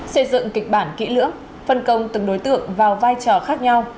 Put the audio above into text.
xây dựng kịch bản kỹ lưỡng phân công từng đối tượng vào vai trò khác nhau